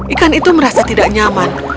ikan itu merasa tidak nyaman